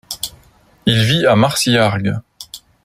Il vit à Marsillargues.